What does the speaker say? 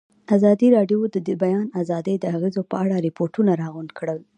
ازادي راډیو د د بیان آزادي د اغېزو په اړه ریپوټونه راغونډ کړي.